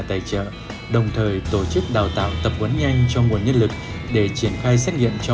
tài trợ đồng thời tổ chức đào tạo tập huấn nhanh cho nguồn nhân lực để triển khai xét nghiệm cho